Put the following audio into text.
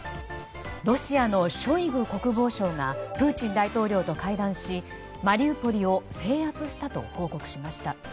ロシアのショイグ国防相がプーチン大統領と会談しマリウポリを制圧したと報告しました。